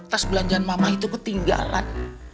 tas belanjaan mama itu ketinggalan